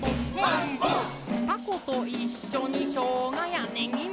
「たこといっしょにしょうがやねぎも」